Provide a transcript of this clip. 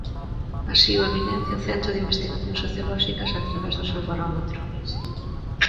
Así o evidencia o Centro de Investigacións Sociolóxicas a través do seu barómetro.